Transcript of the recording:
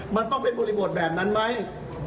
มันต้องเป็นบริบทแบบนั้นไหม